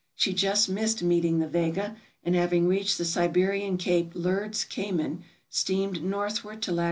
She just missed meeting the "Vega;" and having reached the Siberian Cape Lerdze Kamen, steamed northward to lat.